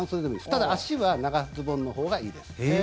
ただ、足は長ズボンのほうがいいです。